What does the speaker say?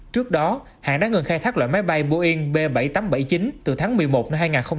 trước đó hãng đã ngừng khai thác loại máy bay boeing b bảy nghìn tám trăm bảy mươi chín từ tháng một mươi một năm hai nghìn hai mươi ba